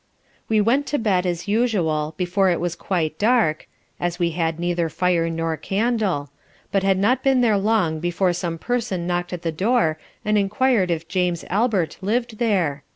We went to bed, as usual, before it was quite dark, (as we had neither fire nor candle) but had not been there long before some person knocked at the door & enquir'd if James Albert lived there?